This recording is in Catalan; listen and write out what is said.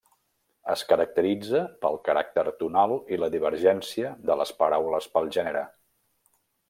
Es caracteritza pel caràcter tonal i la divergència de les paraules pel gènere.